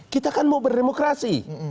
kita kan mau berdemokrasi